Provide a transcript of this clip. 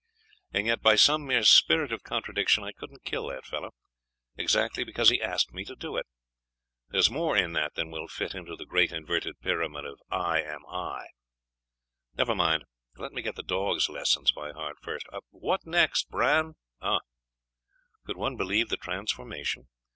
And yet by some mere spirit of contradiction, I couldn't kill that fellow, exactly because he asked me to do it.... There is more in that than will fit into the great inverted pyramid of "I am I.". Never mind, let me get the dog's lessons by heart first. What next, Bran? Ah! Could one believe the transformation?